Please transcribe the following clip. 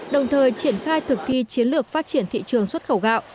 đồng thời triển khai thực thi chiến lược phát triển thị trường xuất khẩu gạo